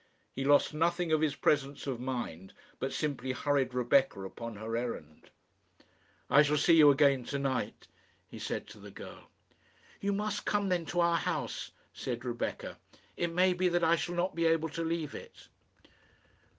He lost nothing of his presence of mind, but simply hurried Rebecca upon her errand. "I shall see you again to night," he said to the girl. "You must come then to our house," said Rebecca. "It may be that I shall not be able to leave it."